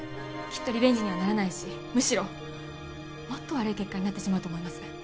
きっとリベンジにはならないしむしろもっと悪い結果になってしまうと思います